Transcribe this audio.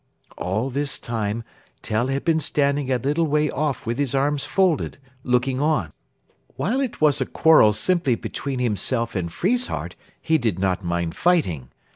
All this time Tell had been standing a little way off with his arms folded, looking on. While it was a quarrel simply between himself and Friesshardt he did not mind fighting.